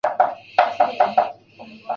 动画改编原作自第一卷至第四卷。